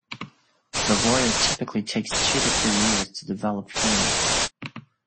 The "voile" typically takes two to three years to develop fully.